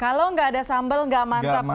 kalau nggak ada sambal nggak mantap